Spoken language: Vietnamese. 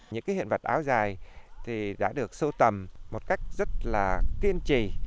những hiện vật áo dài thì đã được sâu tầm một cách rất là kiên trì